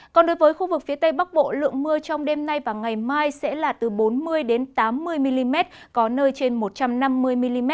còn đối với khu vực phía tây bắc bộ lượng mưa trong đêm nay và ngày mai sẽ là từ bốn mươi tám mươi mm có nơi trên một trăm năm mươi mm